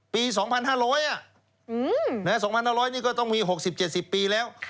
ปี๒๕๐๐๒๕๐๐นี่ก็ต้องมี๖๐๗๐ปีแล้ว